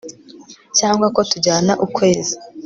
Cyangwa ko tujyana ukwezi